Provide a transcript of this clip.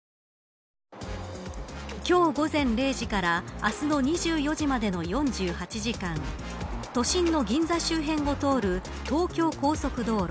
今日午前０時から明日の２４時までの４８時間都心の銀座周辺を通る東京高速道路